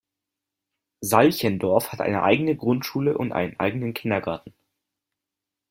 Salchendorf hat eine eigene Grundschule und einen eigenen Kindergarten.